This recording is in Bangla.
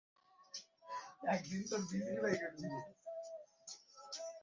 রেডি, তুমি যেতে পারো।